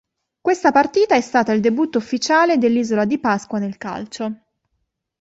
Questa partita è stata il debutto ufficiale dell'Isola di Pasqua nel calcio.